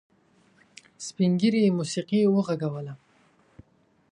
سپین ږيري موسيقي وغږوله.